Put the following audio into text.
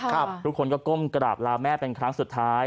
ทุกคนก็ก้มกราบลาแม่เป็นครั้งสุดท้าย